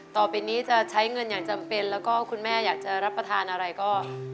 ต่อไปนี้จะใช้เงินอย่างจำเป็นแล้วก็คุณแม่อยากจะรับประทานอะไรก็